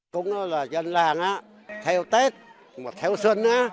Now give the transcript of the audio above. cúng là dân làng theo tết theo xuân